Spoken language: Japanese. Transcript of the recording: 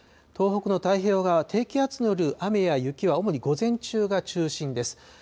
東北の太平洋側、低気圧による雨や雪は主に午前中が中心です。